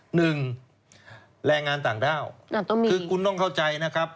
หนึ่งแรงงานต่างด้าวคือคุณต้องเข้าใจนะครับ